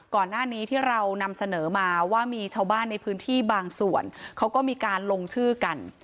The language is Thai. ก่อนหน้านี้ที่เรานำเสนอมาว่ามีชาวบ้านในพื้นที่บางส่วนเขาก็มีการลงชื่อกัน